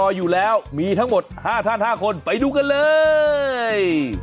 อยู่แล้วมีทั้งหมด๕ท่าน๕คนไปดูกันเลย